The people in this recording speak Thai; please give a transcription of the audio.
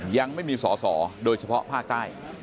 ยังไม่มีสอสอโดยเฉพาะภาคใต้